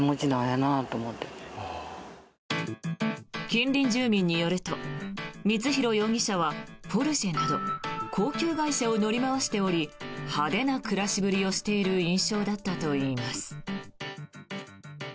近隣住民によると光弘容疑者はポルシェなど高級外車を乗り回しており派手な暮らしぶりをしている印象だったといいます。